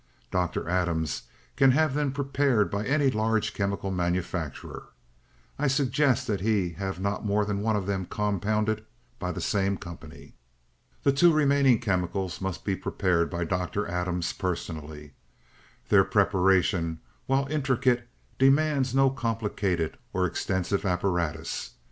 Dr. Adams can have them prepared by any large chemical manufacturer; I suggest that he have not more than one of them compounded by the same company. "'The two remaining chemicals must be prepared by Dr. Adams personally. Their preparation, while intricate, demands no complicated or extensive apparatus.